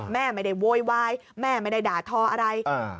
แม่ไม่ได้โวยวายแม่ไม่ได้ด่าทออะไร